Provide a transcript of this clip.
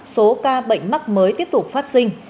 số ca bệnh mắc mới tiếp tục phát sinh